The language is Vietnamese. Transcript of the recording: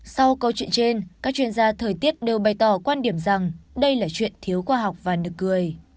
sau câu chuyện trên các chuyên gia thời tiết đều bày tỏ quan điểm rằng đây là chuyện thiếu khoa học và nực cười